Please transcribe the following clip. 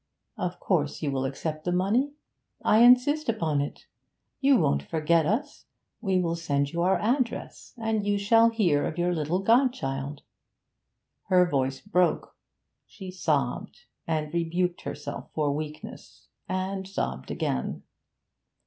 Of course you will accept the money; I insist upon it. You won't forget us. We will send you our address, and you shall hear of your little godchild ' Her voice broke; she sobbed, and rebuked herself for weakness, and sobbed again.